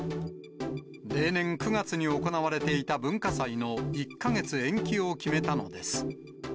例年９月に行われていた文化祭の１か月延期を決めたのです。